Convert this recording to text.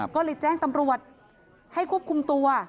ก็เลยแจ้งตำรวจให้ควบคุมตัว